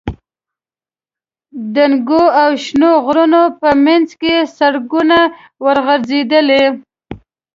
دنګو او شنو غرونو په منځ کې سړکونه ورغځېدلي.